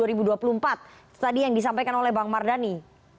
itu tadi yang disampaikan oleh bang mardhani